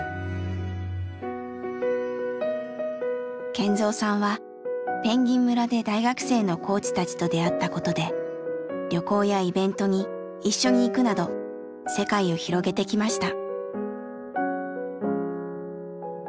健三さんはぺんぎん村で大学生のコーチたちと出会ったことで旅行やイベントに一緒に行くなど世界を広げてきました。